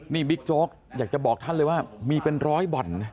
นี่บิ๊กโจ๊กอยากจะบอกท่านเลยว่ามีเป็นร้อยบ่อนนะ